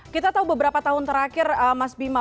kita tahu beberapa tahun terakhir mas bima